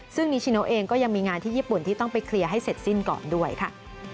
ซึ่งนิชิโนเองก็ยังมีงานที่ญี่ปุ่นที่ต้องไปเคลียร์ให้เสร็จสิ้นก่อนด้วยค่ะ